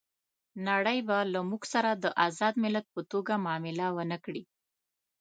نړۍ به له موږ سره د آزاد ملت په توګه معامله ونه کړي.